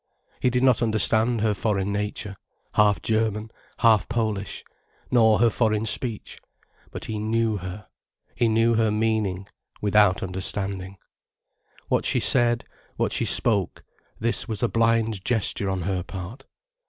He did not understand her foreign nature, half German, half Polish, nor her foreign speech. But he knew her, he knew her meaning, without understanding. What she said, what she spoke, this was a blind gesture on her part.